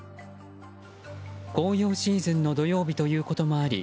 紅葉シーズンの土曜日ということもあり